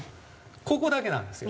ここだけなんですよ。